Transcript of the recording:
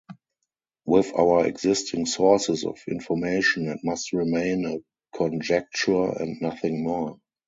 With our existing sources of information it must remain a conjecture and nothing more.